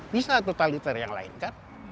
bisa totaliter yang lain kan